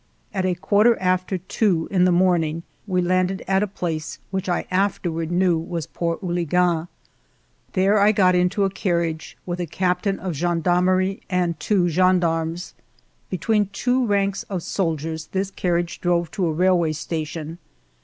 At a quarter after two in the morning we landed at a place which I afterward knew was Port Houli uen. ALFRED DREYFUS 299 There I got into a carriage, with a captain of gendarmerie and two gendarmes. Between two ranks of soldiers this carriage drove to a railway station.